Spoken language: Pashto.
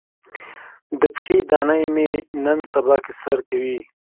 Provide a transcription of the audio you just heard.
د پښې دانه مې نن سبا کې سر کوي.